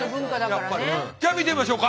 じゃあ見てみましょうか。